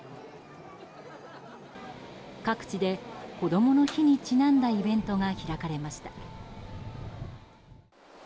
各地でこどもの日にちなんだイベントが開かれました。